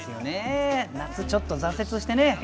夏、ちょっと挫折してね。